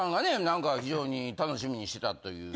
何か非常に楽しみにしてたという。